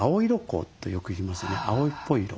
青っぽい色。